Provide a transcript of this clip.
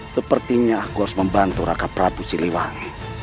sepertinya aku harus membantu raka pradu ciliwang